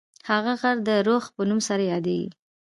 هغه غر د رُخ په نوم یادیږي.